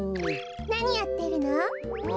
なにやってるの？